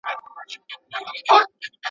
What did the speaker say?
زه غښتلی یم له مځکي تر اسمانه .